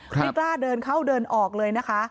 ไม่กล้าเดินเข้าเดินออกเลยนะคะ